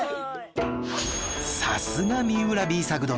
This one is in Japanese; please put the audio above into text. さすが三浦 Ｂ 作殿